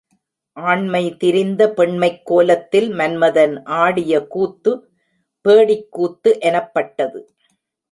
ஆண்மை திரிந்த பெண்மைக் கோலத்தில் மன்மதன் ஆடிய கூத்து பேடிக்கூத்து எனப்பட்டது.